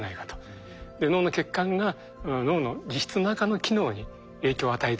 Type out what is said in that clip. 脳の血管が脳の実質中の機能に影響を与えてる。